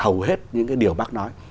hầu hết những cái điều bác nói